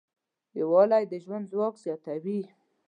یووالی د ژوند ځواک زیاتوي.